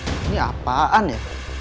ini apaan ya